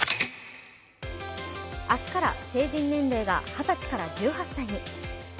明日から成人年齢が二十歳から１８歳に。